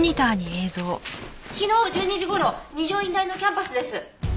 昨日１２時頃二条院大のキャンパスです。